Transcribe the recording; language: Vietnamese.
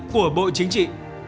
của bộ chính trị